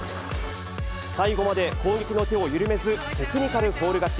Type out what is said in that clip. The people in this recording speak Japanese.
最後まで攻撃の手を緩めず、テクニカルフォール勝ち。